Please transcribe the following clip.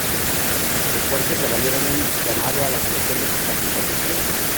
Sus esfuerzos le valieron un llamado a la Selección de Costa Rica en septiembre.